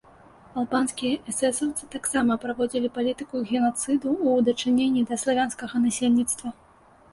Албанскія эсэсаўцы таксама праводзілі палітыку генацыду ў дачыненні да славянскага насельніцтва.